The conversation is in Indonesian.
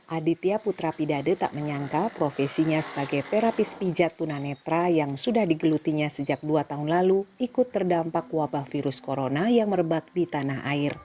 aditya putra pidade tak menyangka profesinya sebagai terapis pijat tunanetra yang sudah digelutinya sejak dua tahun lalu ikut terdampak wabah virus corona yang merebak di tanah air